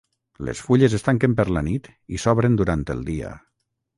Les fulles es tanquen per la nit i s'obren durant el dia.